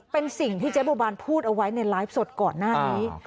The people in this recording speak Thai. เป็นสิ่งที่เจ๊บัวบานพูดเอาไว้ในไลฟ์สดก่อนหน้านี้